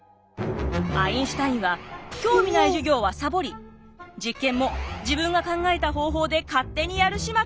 アインシュタインは興味ない授業はサボり実験も自分が考えた方法で勝手にやる始末。